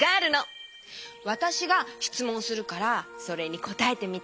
わたしがしつもんするからそれにこたえてみて。